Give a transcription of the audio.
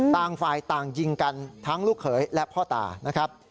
ต่างฝ่ายต่างยิงกันทั้งลูกเขยและพ่อตานะครับ